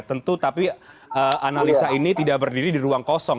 tentu tapi analisa ini tidak berdiri di ruang kosong